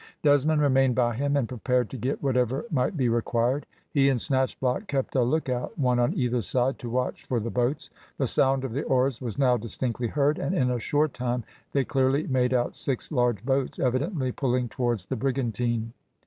Desmond remained by him and prepared to get whatever might be required. He and Snatchblock kept a lookout, one on either side, to watch for the boats. The sound of the oars was now distinctly heard, and in a short time they clearly made out six large boats, evidently pulling towards the brigantine.